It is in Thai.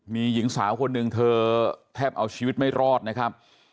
มีหญิงสาวคนหนึ่งเธอแทบเอาชีวิตไม่รอดนะครับ